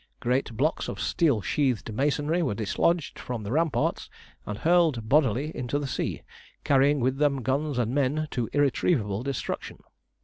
Great blocks of steel sheathed masonry were dislodged from the ramparts and hurled bodily into the sea, carrying with them guns and men to irretrievable destruction.